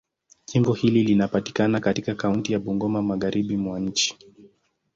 Jimbo hili linapatikana katika kaunti ya Bungoma, Magharibi mwa nchi.